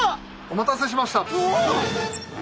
お待たせしました。